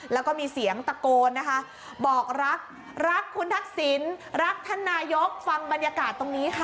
แล้วก็มีเสียงตะโกนนะคะบอกรักรักคุณทักษิณรักท่านนายกฟังบรรยากาศตรงนี้ค่ะ